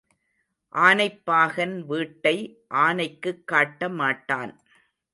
ஆனைப் பாகன் வீட்டை ஆனைக்குக் காட்ட மாட்டான்.